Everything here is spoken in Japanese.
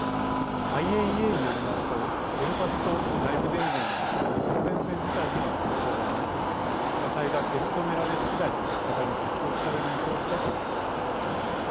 ＩＡＥＡによりますと原発と外部電源を結ぶ送電線自体には損傷はなく火災が消し止められ次第再び接続される見通しだということです。